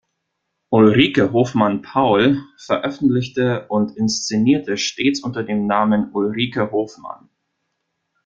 Ulrike Hofmann-Paul veröffentlichte und inszenierte stets unter dem Namen Ulrike Hofmann.